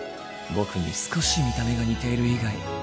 僕に少し見た目が似ている以外